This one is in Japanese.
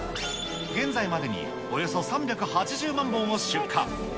現在までにおよそ３８０万本を出荷。